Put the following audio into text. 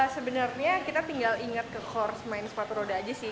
sebenarnya kita tinggal ingat ke horse main sepatu roda aja sih